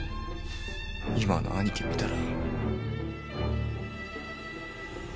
今の兄貴を見たら。